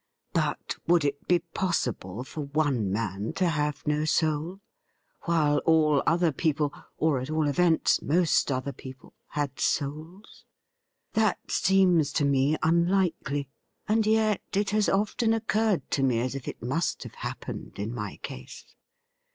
But would it be possible for one man to have no soul while all other people, or, at all events, most other people, had souls .'' That seems to me unlikely, and yet it has often occurred to me as if it must have happened in my case.